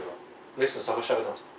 レッスン探してあげたんですか？